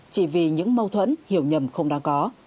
chỉ vì những mâu thuẫn hiểu nhầm không đáng có